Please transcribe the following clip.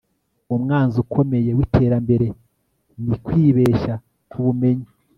umwanzi ukomeye w'iterambere ni kwibeshya ku bumenyi